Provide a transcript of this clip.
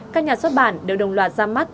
các nhà xuất bản đều đồng loạt ra mắt